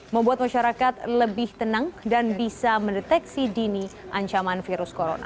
membuat masyarakat lebih tenang dan bisa mendeteksi dini ancaman virus corona